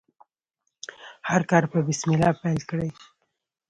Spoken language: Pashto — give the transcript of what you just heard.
هر کار په بسم الله پیل کړئ.